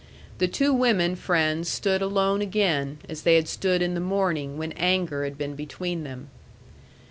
The two women friends stood alone again, as they had stood in the morning when anger had been between them.